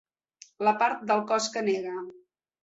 La part del cos que nega.